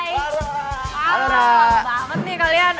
aparah kamu nih kalian ah